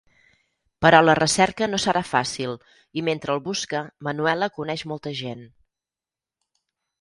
Però la recerca no serà fàcil i mentre el busca, Manuela coneix molta gent.